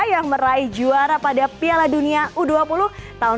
yang meraih juara pada piala dunia u dua puluh tahun seribu sembilan ratus sembilan puluh